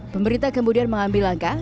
pemerintah kemudian mengambil langkah